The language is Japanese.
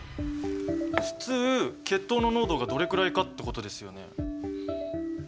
普通血糖の濃度がどれくらいかってことですよね。